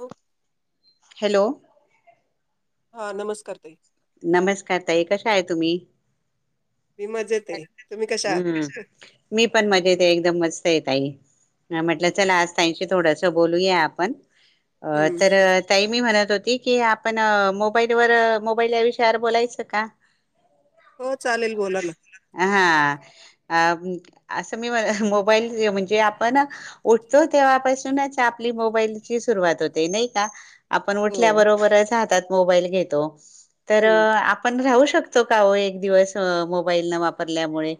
हो हॅलो! हा नमस्कार! ताई. नमस्कार! ताई कशा आहे तुम्ही? मी मजेत आहे तुम्ही कशा आहात? हम्म! मी पण मजेत एकदम मस्त! म्हटलं, चला आज ताईशी थोडस बोलूया, आपण अ हम्म तर ताई मी म्हणत होती, की आपण मोबाईलवर विषयावर बोलायचं का? हो, चालेल बोला ना. हा असं मी मोबाईल म्हणजे, आपण उठतो जेव्हा पासूनच आपली मोबाईलची सुरुवात होते, नाही का? आपण हो उठल्या बरोबरच हातात मोबाईल घेतो, तर हम्म आपण राहू शकतो. [unintelligible] का एक दिवस मोबाईल न वापरल्यामुळे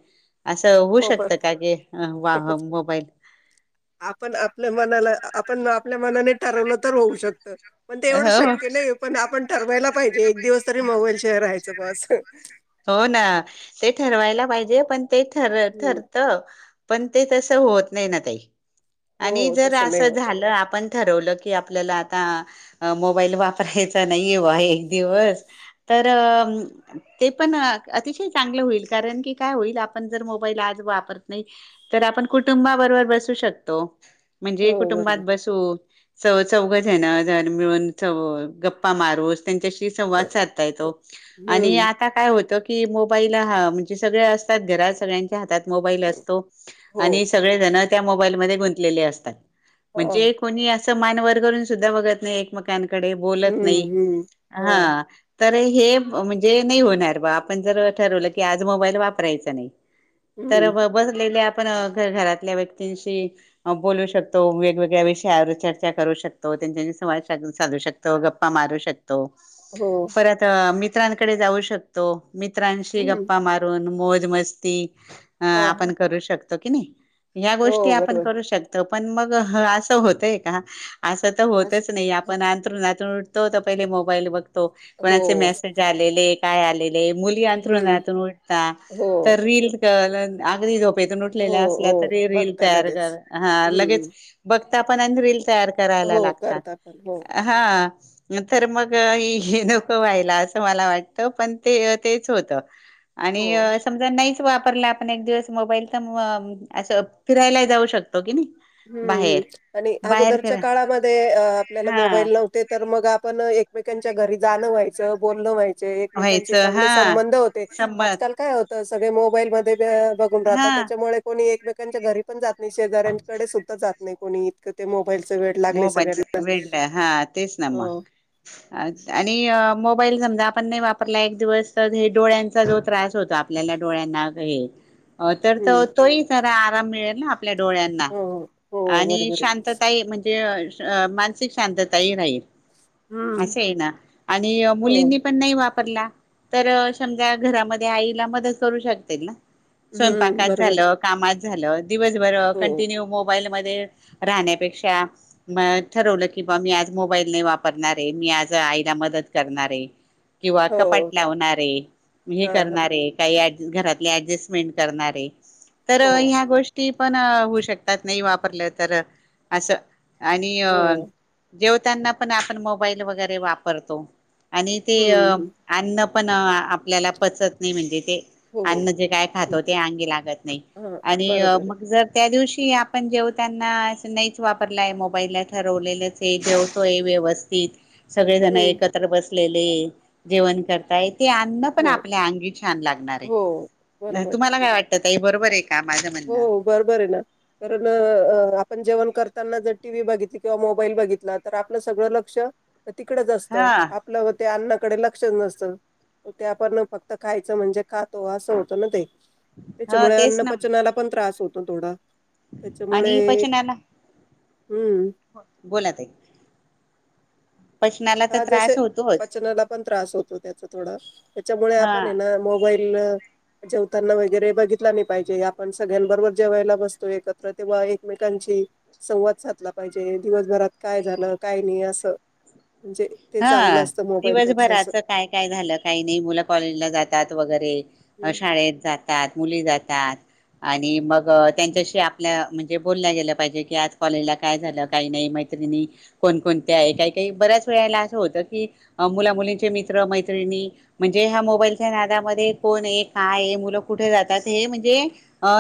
असं होऊ मोबाईल शकतं, का की [unintelligible] मोबाईल. आपण आपल्या मनाला आपण आपल्या मनाने ठरवलं, तर होऊ शकतं. पण ते एवढं हो शक्य नाही, पण आपण ठरवायला पाहिजेच. एक दिवस तरी मोबाईल शिवाय राहायचं बसं. हो, ना ते ठरवायला पाहिजे. पण ते ठरत हम्म पण ते तसं होत नाही, ताई. आणि हो जर तसं नाही असं होत झालं, आपण ठरवलं की आपल्याला आता मोबाईल वापरायचा नाही आहे. [unintelligible] एक दिवस, तर ते पण अतिशय चांगल होईल कारण, की काय होईल आपण जर मोबाईल आज वापरत नाही. आपण कुुं बरोबर बसू शकतो. हो म्हणजे कुटुंबात बरोबर बसू चौ चौघजण मिळून गप्पा मारू त्यांच्याशी संवाद साधता येतो आणि हम्म आता काय होत. कि मोबाईल हा म्हणजे सगळे असतात घरात सगळ्यांच्या हातात मोबाईल असतो हो आणि सगळे जण त्या मोबाईल मध्ये गुंतलेले असतात. हा म्हणजे कोणी असं मान वर करून सुद्धा बघत नाही एकमेकांकडे डे बोलत हम्म नाही हम्म हा, तर हे म्हणजे नाही होणार बा आपण जर ठरवलं की आज मोबाईल वापरायचा नाही. तर हम्म ब बसलेले आपण घरातल्या व्यक्तींशी बोलू शकतो वेगवेगळ्या विषयावर चर्चा करू शकतो त्यांच्या संवाद साधू शकतो गप्पा मारू शकतो हो परत मित्रांकडे जाऊ शकतो मित्रांशी हम्म गप्पा मारून मोज मस्ती अ हा आपण करू शकतो की नाही ह्या हो गोष्टी आपण बरोबर करू शकतो. पण मग असं होतय का असं तर असं होतच नाही हं. आपण अंथरूणातून पहिल मोबाईल बघतो कोणाचे हो मेसेज आलेले काय आलेले. मुली हम्म अंथरूणातून उठता तर हो रील झोपेतून हो उठल्या‌ असता हो तरी रील बघता तयार लगेच हा हम्म बघता पण तयार करायला हो लागतात करता पण हो हा. तर मग हे नको व्हायला असं मला वाटत पण ते तेच होत. आणि हो समजा नाही. वापरला आपण एक दिवस मोबाईल तर अस फिरायला जाऊ शकतो की नाही. हम्मम् बाहेर आणि बाहेर अगोदरच्या फिरा काळामध्ये आपल्याला हा मोबाईल नव्हते तर मग आपण एकमेकांच्या घरी जाणं व्हायच बोलणं व्हायचं. एकमेकांची व्हायचं हा चांगले संबंध होते संमत आजकाल काय होत सगळे मोबाईल बघून हा राहतात त्याच्यामुळे कोणी एकमेकांच्या घरी पण जात नाही शेजारच्याकडे सुद्धा जात नाही. कोणी इतक मो मोबाईल वेळ हा तेच ना म हो आणि मो मोबाईल समजा आपण नाही वापरला एक दिवस तर हे डोळ्यांचा जो त्रास होता आपल्याला डोळ्यांना हे हो तर त हम्म तोही जरा आराम मिळेल ना, आपल्या डोळ्यांना हो हो हो, आणि बरोबर आहे शांतता म्हणजे ते मानसिक शांतता ह राहील. हम्म असं आहे ना आणि हो मुलींनी पण नाही वापर वापरल्या तर समजा घरामध्ये आईला मदत करू शकते ना, हम्म स्वयंपाकात बरोबर झालं, आहे कामात झालं दिवसभर हो कंटिन्यू मोबाईल म राहण्यापेक्षा म ठरवलं की बा मी आज मोबाईल नाही वापरणार आहे मी आज आईला मदत करणार आहे. किंवा कपाट हो लावणारे हे हा हा करणारे काही घरातल्या अड्जस्टमेंट करणार आहे तर हो ह्या गोष्टी पण होऊ शकतात नाही वापरलं तर अस आणि हो जेव पण आपण मोबाईल वगैरे वापरतो आणि ते हम्म हम्म. अ, पण आपल्याला पचत नाही म्हणजे हो अन्न जे काय खातो ते अंगी लागत नाही हा आणि बरोबर आहे. मगर त्या दिवशी क आपण जेवताना त्यांना नाहीच वा ला मोबाईलला ठरवलेलेच आहे जेवतोय व्यवस्थित सगळे जण हम्म एकत्र बस असले जेवण करताय. ते अन्न पण हो आपल्या अंगी छान लागणार हो आहे बरोबर आहे. तुम्हाला काय वाटत ताई बरोबर आहे. का माझं हो म्हणणं बरोबर आहे ना कारण आपण जेवण करताना जर टीव्ही बघितली किंवा मोबाईल बघितला तर आपलं सगळं लक्ष तिकडच असतं हा आपलं व ते अन्न अन्नकडे लक्षच नसत ते आपण फक्त खायचं म्हणजे खातो असं होतं ना ते हा त्याच्यामुळे तेच अन्न ना, पचनाला त्रास होतो थोडा त्याच्यामुळे हम्म हो बोलात आहे हा जसे पचनाला पण त्रास होतो त्याच थोडं त्याच्यामुळे हा आपण आहे ना मोबाईल जेवताना वगैरे बघितला नाही पाहिजे आपण सगळ्यांबरोबर जेवायला बसतो एकत्र तेव्हा एकमेकांची संवाद साधला पाहिजे दिवसभरात काय झालं काय नाही असं म्हणजे ते हा चांगलं असतं मोबाईलपेक्षा असं दिवसभराच काय काय झालं काही नाही मुलं कॉलेजला जातात वगैरे अ हम्म. शाळेत जातात मुली जातात आणि मग त्यांच्याशी आपल्या म्हणजे बोलल्या गेलं पाहिजे की आज कॉलेजला काय झालं काही नाही मैत्री णी कोणकणते आहे काय काही बऱ्याच मित्र मैतरीणी म्हणजे या मोबाईलच्या नादामध्ये कोण आहे काय मुलं कुठे जातात हे म्हणजे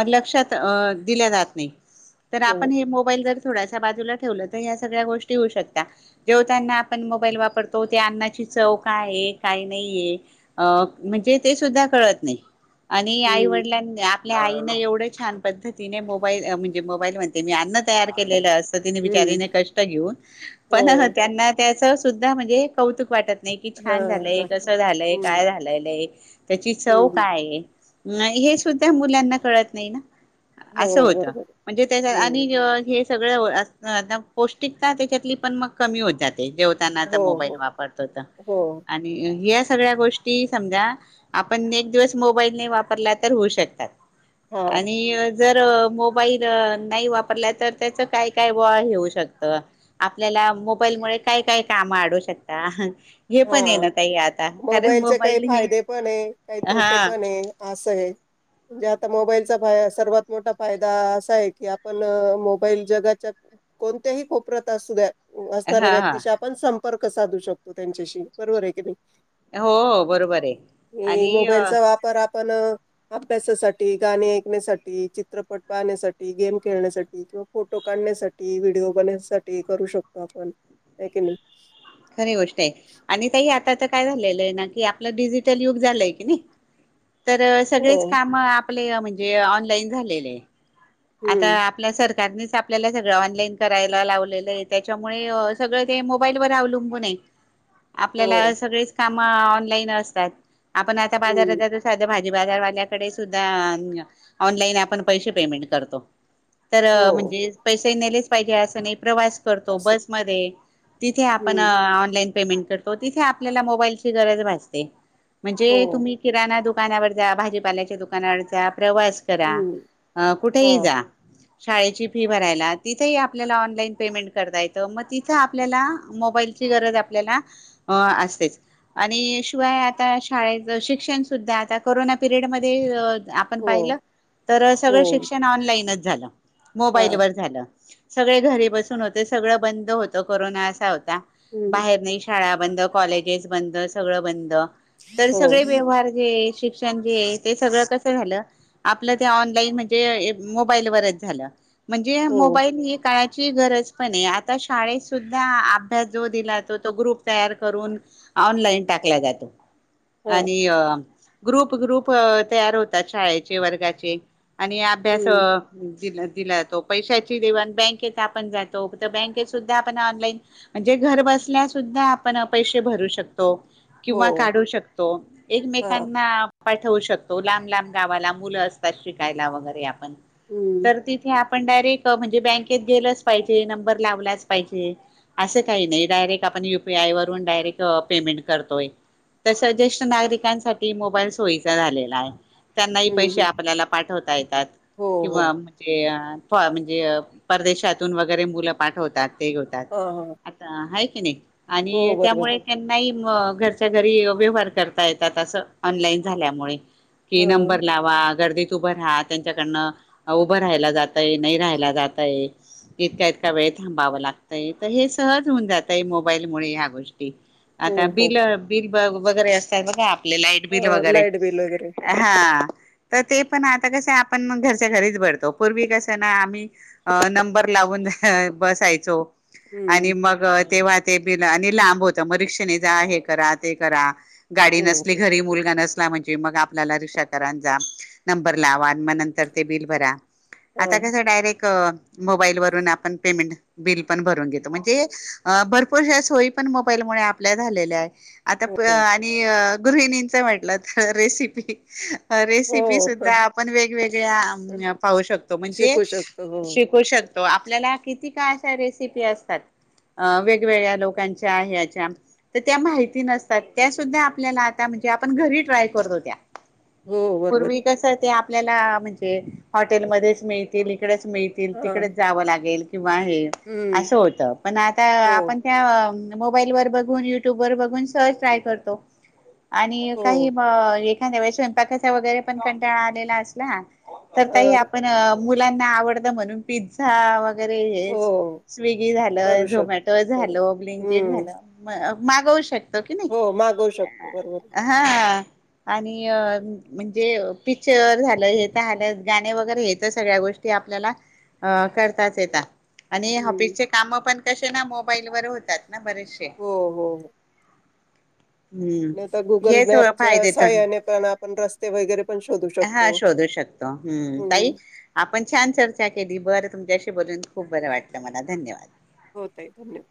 लक्षात दिल्या जात नाही तर हो आपण हे मोबाईल जर थोड्याश बाजूला ठेवलं तर या सगळ्या गोष्टी होऊ शकता जेव्हा त्यांना ण मोबाईल वापरतो ते अन्नाची चव काय काय नाहीय म्हणजे ते सुद्धा कळत नाही आणि आई हम्म वडिलांनी आपल्या आईने एवढं छान पद्धतीने मोबाईल म्हणजे मोबाईल म्हणते मी अन्न तयार केलेल असत तिन बिचारी हम्म ने कष्ट घेऊन पण हो त्यां सुद्धा म्हणजे कौतुक वाटत नाही कि हा छान झालंय बरोबर कसं झालंय हम्म काय झालंलंय त्याची चव हम्म काय हे सुद्धा मुलांना कळत नाही ना हो असं होत बरोबर म्हणजे त्याच्या आणि हम्म हे सगळ आता पौष्टिकता त्याच्यातली पण मग कमी होतात जेवताना आता हो मोबाईल हो वापरतोत हो आणि हे सगळ्या गोष्टी समजा आपण एक दिवस मोबाईल नाही वापरला तर होऊ शकतात हा आणि जर मोबाईल नाही वापर तर त्याच काय काय वा शकत आपल्या मोबाईलमुळे काय काय काम अडू शकता हे पण आहे हा ना ताई आता कारण मोबाईलचे काही मोबाईल ही फायदे पण आहे काही हा तोटे पण आहे असं आहे म्हणजे आता मोबाईलचा फाय सर्वात मोठा फायदा असा आहे की आपण मोबाईल जगाच्या कोणत्याही कोपऱ्यात असू द्या असणाऱ्या हा हा व्यक्तीशी आपण संपर्क साधू शकतो त्यांच्याशी बरोबर आहे की नाही हो बरोबर आहे आणि पण अभ्यासासाठी गाणे ऐकण्यासाठी चित्रपट पाहण्यासाठी गेम खेळण्यासाठी किवा फोटो काढण्यासाठी व्हिडिओ बनण्यासाठी करू शकतो आपण कि नाही खरी गोष्ट आहे आणि काही आता तर काय आप डिजिट युग झाय की सग हो. का म्हणजे ऑनलाईन झा आता हं. आपल्या स कारणीच आपल्याला सगळं ऑनलाईन करायला लावलेलं आहे त्याच्यामुळे सगळं ते मोबाईल वर अवलंबून आहे [inaudible] हो. आपल्याला सगळेच काम ऑनलाईन असतात आपण आता हं. बाजारात साध्या भाजी बाजारवाल्याकडे सुद्धा ऑनलाईन आपण पैसे पेमेंट करतो तर हो. म्हणजे पैसे नेलेच पाहिजे असं नाही प्रवास करतो असं. बसमध्ये तिथे आपण हं. ऑनलाईन मोबाईल ची गरज भासते हो. दुकानावर जा भाजीपाल्याच्या दुकानावर जा प्रवास करा हम्म अ हा कुठेही जा शाळेची फी भरायला तिथ आपल्याला ऑनलाईन पेमेंट करता येतं मग तिथ आपल्याला मोबाईल ची गरज आपल्याला असतेच आणि शिवाय आता शाळेच शिक्षण सुद्धा आता कोरोना पिरियडमध्येध्ये आपण हो पाहिलं तर हो सगळं शिक्ष झा हा मोबाल झा सगळे घरी बसून होते सगळं बंद होत कोरोना असा होता हम्म बाहेर नाही शाळा कॉलेजेस बंद सग बंद तर हो सगळे व्यवारे शिक्षण जे ये ते सगळ कस झालं आपलं ते ऑनलाईनण म्ह हे मोबाईलवरच झाल म्हणजे हो मोबांईल ही काळा ची गरज पण ये आता शाळेत सुद्धा अभ्यास जो दिला तो तो ग्रुप तयार करून ऑनलाईन टाकला जातो. हा आणि अ ग्रुप ग्रुप तयार होतात शाळेचे वर्गाचे आणि अभ्यास हम्म दिल दिला जाती पैसा ची देवाण बँकत आपण जातो त बँकेत सुद्धा अपान ऑनलाईन म्हणजे घर बस असल्यासुद्धा आपण पैसे भरू शक तो हो किंवा काढू शकतो. हा एकमेकांना पाठवू शकतो. लांब लाब गावाला मुलं असतात शिकायला वगैरे आपण हम्म तर तिथे आप आपण डायरेक्ट म्हणजे बँकेत गेलच पाहिजे नंबर लावलाच पाहिजे. असं काही नाही डायरेक्ट आपण युपीआय वरून डायरेक्ट अ पेमेंट करतोय. तस ज्येष्ठ नागरिकांसाठी मोबाईल सोयीचा झालेला आहे. त्यांनाही पैसे हम्म आपल्याला पाठवता येतात हो हो किंवा म्हणजे आ हो म्हणजे परदेशातून वगैरे मुलं पाठवतात ते होतात हा हा आता हाय. की नाई हो आणि बरोबर त्यामुळे त्यांनाही म घरच्या घरी व्यवहार करता येतात असं ऑनलाईन झाल्यामुळे की हा नंबर लावा गर्दी त उभं राहा त्यांच्याकडनं उभं राहिला जाताय नही राहाला जाताये. इतका इतका वेळ थांबाव लागतंय त हे सहज होऊन जातय मोबाईल मुळे ह्या गोष् ष्टी आता हो हो बिल बिल ब वगैरे असतात बघा आपले लाईट बिल हा वगैरे लाईट बिल वगैरे ह हा त ते पण आता कस आपण मंग घरच्या घरीच भरतो पूर्वी कस ना आम्ही अ नंबर लावून बसायचो आणि हम्म मग तेव्हा ते बिल आणि लांब होतं मग रिक्षेनी जा करा ते करा गाडी हो नसली घरी मुलगा नस सला म्हणजे मग आपल्याला रिक्षा करां आणि जा नंबर लावा आणि म नंतर ते बिल भरा. हा आता कसं डायरेक्ट क मोबाईल वरून आप पेमेंट बिल पण भरून घेतो म्हणजे भरपूर हया सोई पण मोबाईल मुळे आपल्या झालेल्या हाय आता प्र हो आणि गृहिणीनंच म्हंटलं त रेसिपी अ रेसिप पी हो सुद्धा आपण वेगवेगळ्या अं पाहू शकतो म्हणजे शिकू शकतो हो शिकू शक तो. आपल्याला किती का अशा रेसिपी असतात. अ वेगवेगळ्या लोकांच्या हयाच्या त त्या माहिती नसतात त्या सुद्धा आपल्याला आता म्हण जे आपण घरी ट्राय करतो त्या हो बरोबर पूर्वी आहे कसं ते आपल्याला म्हणजे हॉटेलमध्येचं मिळतील. तिकडेच मिळतील हा तिकडेच जावं लागेल. किंवा हे हम्म असं होत पण आता हो आपण त्या मोबाईल वर बघून युट्यूब वर बघून सहज ट्राय करतो. आणि हो काही म हे हा नव्हे स्वयंपाकाचा वगैरे पण कंटाळा आलेला असला तर हा तेही आपण अ मुलांना आवडत म्हणून पिझ्झा व गैरे हेच हो स्विंगी करू झालं झोमॅटो शकतो झाल, बरोबर बिंकीट हम्म झालं म अ मागवू शकतो की नाही हो मागवू शकतो बरोबर हा आणि अ म्हण जे पिक्चर झालं हे र हालच गाणे वगैरे हे तर सगळ्या गोष्टी आपल्याला- अ करताच येता आणि हम्म ऑफिसचे काम पण कसे ना मोबाईल वर होतात. ना बरेचंशे हो नायं तर गुगल मॅपच्या फायदेेत सहाय्यानेपणा आपण रस्त हा शोधू शकतो हम्म तई आपण छान चर्चा केली बर तुमच्याशी बोलून खूप बरं वाटलं मला धन्यवाद. हो ताई धन्यवाद.